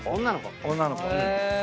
女の子？